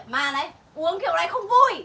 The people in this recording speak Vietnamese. mà này uống kiểu này không vui